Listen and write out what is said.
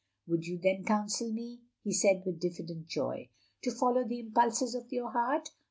"Would you then counsel me —?" he said with diflBdent joy. "To follow the impulses of your heart?